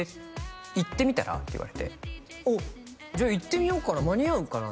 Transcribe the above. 「行ってみたら？」って言われて「おっじゃあ行ってみようかな間に合うかな」